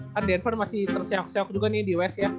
kan denver masih terseok seok juga nih di west ya